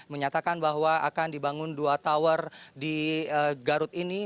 menyatakan bahwa akan dibangun dua tower di garut ini